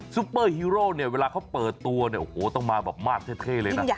ปเปอร์ฮีโร่เนี่ยเวลาเขาเปิดตัวเนี่ยโอ้โหต้องมาแบบมาดเท่เลยนะ